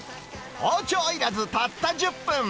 包丁いらず、たった１０分。